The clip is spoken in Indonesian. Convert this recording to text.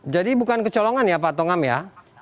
jadi bukan kecolongan ya pak tongam ya